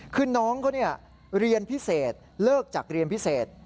คือน้องเขาเรียนพิเศษเลิกจากเรียนพิเศษ